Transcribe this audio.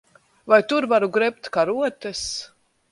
Vai tur varu grebt karotes?